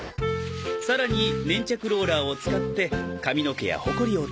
さらに粘着ローラーを使って髪の毛やほこりを取ります。